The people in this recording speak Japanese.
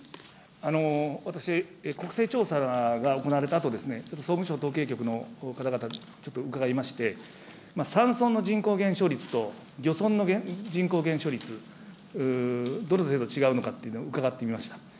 私、国勢調査が行われたあと、総務省統計局の方々にちょっと伺いまして、山村の人口減少率と、漁村の人口減少率、どの程度違うのかというのを伺ってみました。